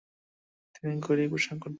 তিনি গৈরিক পোশাক পরতেন।